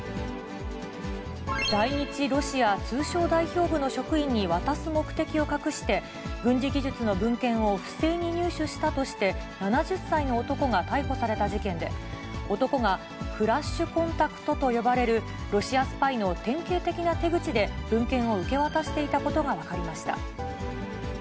在日ロシア通商代表部の職員に渡す目的を隠して、軍事技術の文献を渡す７０歳の男が逮捕された事件で、男がフラッシュコンタクトと呼ばれるロシアスパイの典型的な手口で、分権を受け渡していたことが分かりました。